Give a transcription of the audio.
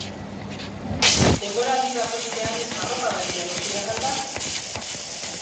Denboraldi bakoitzean arropa berria erosi behar al da?